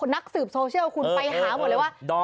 นักสืบโซเชียลคุณไปหาหมดเลยว่า